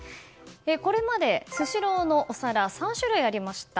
これまでスシローのお皿３種類ありました。